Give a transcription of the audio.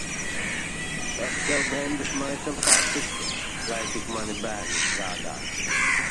Tas tev, bendesmaisam, patiktu. Lai tik mani bērni strādātu.